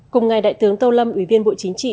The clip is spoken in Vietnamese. cùng ngày đại tướng tô lâm ủy viên bộ chính trị